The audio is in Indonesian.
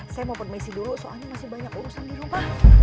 saya mau per messi dulu soalnya masih banyak urusan di rumah